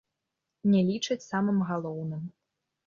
Не лічаць самым галоўным.